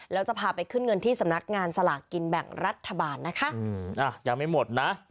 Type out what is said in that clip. แล้วจะพาไปขึ้นเงินที่สำนักงานสลากกินแบ่งรัฐบาลนะคะยังไม่หมดนะ